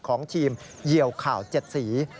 ของทีมเหยียวข่าว๗สี